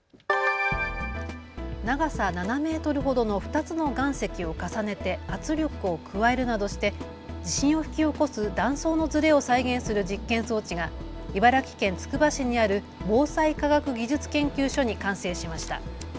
長さ７メートルほどの２つの岩石を重ねて圧力を加えるなどして地震を引き起こす断層のずれを再現する実験装置が茨城県つくば市にある防災科学技術研究所に完成しました。